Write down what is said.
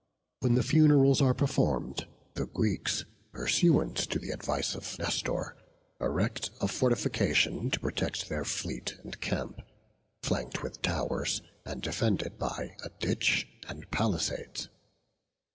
When the funerals are performed, the Greeks, pursuant to the advice of Nestor, erect a fortification to protect their fleet and camp, flanked with towers, and defended by a ditch and palisades.